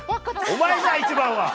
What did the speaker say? お前じゃ一番は！